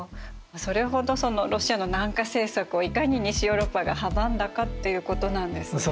それほどロシアの南下政策をいかに西ヨーロッパが阻んだかということなんですね。